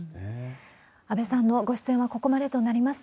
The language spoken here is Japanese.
安倍さんのご出演はここまでとなります。